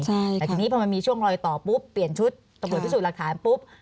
แต่ทีนี้พอมันมีช่วงรอยต่อปุ๊บเปลี่ยนชุดตำรวจพิสูจน์หลักฐานปุ๊บ